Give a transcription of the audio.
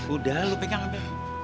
udah lo pegang aja